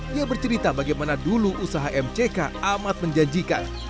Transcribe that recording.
ia bercerita bagaimana dulu usaha mck amat menjanjikan